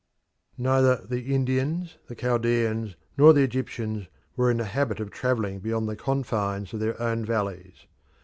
Neither the Indians, the Chaldeans, nor the Egyptians were in the habit of travelling beyond the confines of their own valleys.